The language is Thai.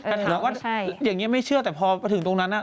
แต่ถามว่าอย่างนี้ไม่เชื่อแต่พอมาถึงตรงนั้น